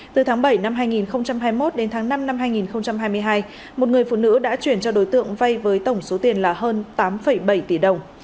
từ tháng bảy năm hai nghìn hai mươi một đến tháng năm năm hai nghìn hai mươi hai một người phụ nữ đã chuyển cho đối tượng vay với tổng số tiền là hơn tám bảy tỷ đồng